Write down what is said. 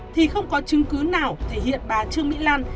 thì không có chứng cứ nào thể hiện bà trương mỹ lan